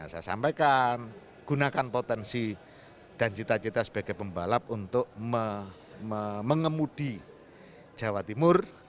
saya sampaikan gunakan potensi dan cita cita sebagai pembalap untuk mengemudi jawa timur